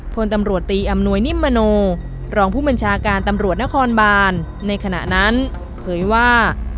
พลตำรวจตีอำนวยนิมมโนรองผู้บัญชาการตำรวจนครบานในขณะนั้นเผยว่า